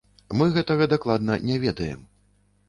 Мы гэтага дакладна не ведаем.